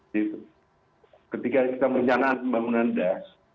jadi ketika kita menjana pembangunan das